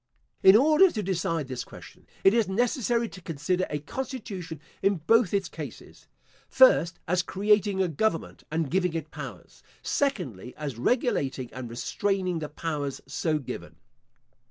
In order to decide this question, it is necessary to consider a constitution in both its cases: First, as creating a government and giving it powers. Secondly, as regulating and restraining the powers so given.